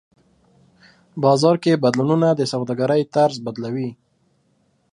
بازار کې بدلونونه د سوداګرۍ طرز بدلوي.